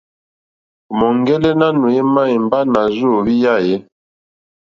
O ma ɔ̀ŋgɛlɛ nanù ema imba nà rza o hwiya e?